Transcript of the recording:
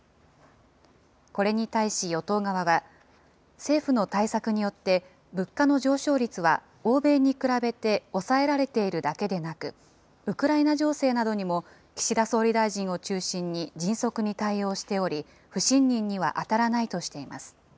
これに対し与党側は、政府の対策によって、物価の上昇率は欧米に比べて抑えられているだけでなく、ウクライナ情勢などにも岸田総理大臣を中心に迅速に対応しており、不信任には当たらないとしています。